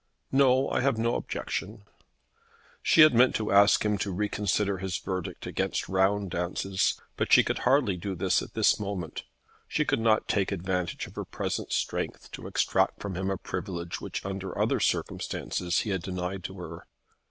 "No; I have no objection." She had meant to ask him to reconsider his verdict against round dances, but she could hardly do so at this moment. She could not take advantage of her present strength to extract from him a privilege which under other circumstances he had denied to her.